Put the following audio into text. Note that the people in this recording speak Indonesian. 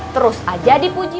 terus aja dipuji